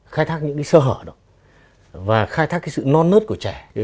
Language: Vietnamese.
khai thác những cái sơ hở đó và khai thác cái sự non nớt của trẻ